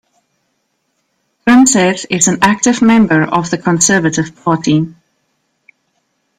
Grimseth is an active member of the Conservative Party.